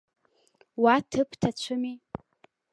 Уа ҭыԥ ҭацәыми.